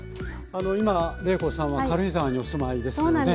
あの今麗子さんは軽井沢にお住まいですよね？